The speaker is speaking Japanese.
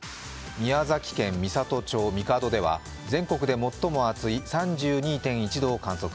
宮崎県美郷町神門では全国トップの３２．１度を観測。